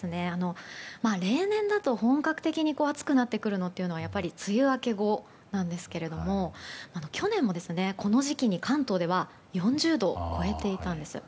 例年だと本格的に暑くなってくるのはやっぱり梅雨明け後なんですけれども去年もこの時期に関東では４０度を超えていたんです。